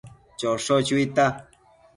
Chosho chuita